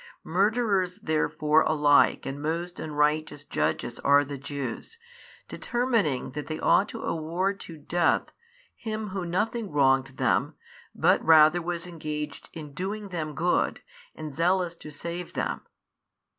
Murderers therefore alike and most unrighteous judges are the Jews, determining that they ought to award to death Him who nothing wronged them but rather was engaged in doing them good and zealous to save them.